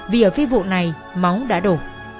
vì ở phía vụ này máu đã đổ